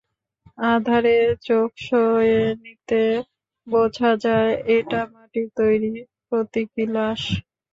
আঁধারে চোখ সয়ে নিতে বোঝা যায়, এটা মাটির তৈরি প্রতীকী লাশ।